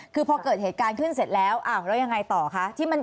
คือพอเกิดเหตุการณ์ขึ้นเสร็จแล้วแล้วยังไงต่อคะ